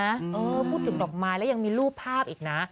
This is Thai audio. พูดถึงดอกไม้แล้วยังมีรูปภาพอีกนะ